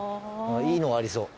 いいのがありそう。